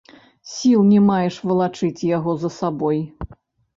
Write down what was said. Сіл не маеш валачыць яго за сабой.